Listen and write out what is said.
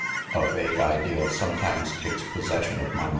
A vague idea soniefimes takes possession of my.